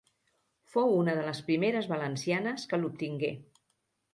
Fou una de les primeres valencianes que l'obtingué.